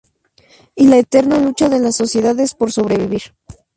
Y la eterna lucha de las sociedades por sobrevivir.